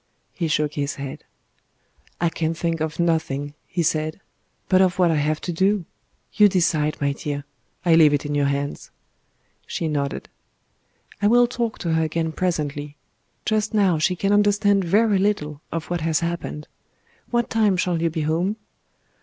He shook his head. "I can think of nothing," he said, "but of what I have to do. You decide, my dear; I leave it in your hands." She nodded. "I will talk to her again presently. Just now she can understand very little of what has happened.... What time shall you be home?"